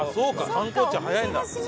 観光地は早いんだ。